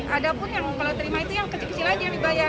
ada pun yang kalau terima itu yang kecil kecil aja yang dibayar